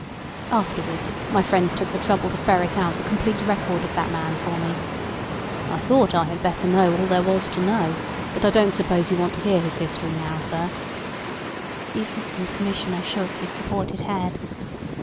Afterwards my friend took the trouble to ferret out the complete record of that man for me. I thought I had better know all there was to know; but I don't suppose you want to hear his history now, sir?" The Assistant Commissioner shook his supported head.